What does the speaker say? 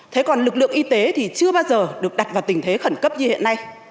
thế còn lực lượng y tế thì chưa bao giờ được đặt vào tình thế khẩn cấp như hiện nay